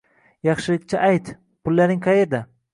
Yaxshilikcha ayt, pullaring qaerda